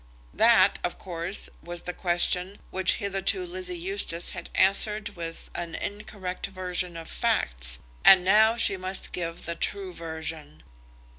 That, of course, was the question which hitherto Lizzie Eustace had answered by an incorrect version of facts, and now she must give the true version.